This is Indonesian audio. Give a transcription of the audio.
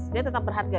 dia tetap berharga